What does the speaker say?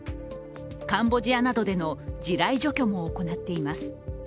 カンボジアなどでの地雷除去も行っています。